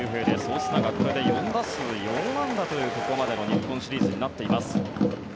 オスナはこれで４打数４安打というここまでの日本シリーズになっています。